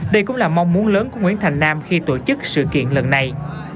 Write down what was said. đây cũng là mong muốn lớn của nguyễn thành nam khi tổ chức sự kiện lần này